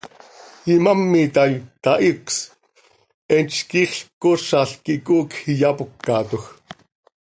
Imám itaai, tahicös, eentz quiixlc coozalc quih coocj iyapócatoj.